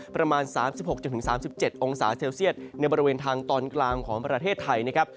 ประมาณ๓๖๓๗องศาเซลเซียตในบริเวณทางตอนกลางของประเทศไทยนะครับ